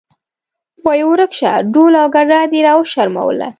وایې ورک شه ډول او ګډا دې راوشرموله.